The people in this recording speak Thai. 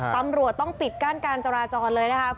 ตำรวจต้องปิดกั้นการจราจรเลยนะครับ